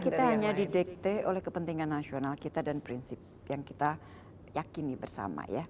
kita hanya didekte oleh kepentingan nasional kita dan prinsip yang kita yakini bersama ya